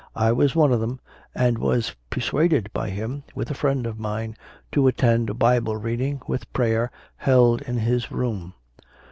I was one of them, and was persuaded by him, with a friend of mine, to attend a Bible reading, with prayer, held in his room.